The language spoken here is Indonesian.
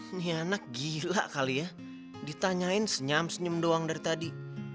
ini anak gila kali ya ditanyain senyam senyum doang dari tadi